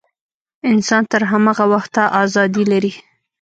انسان تر هماغه وخته ازادي لري.